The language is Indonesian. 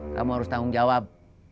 kamu harus tanggung jawab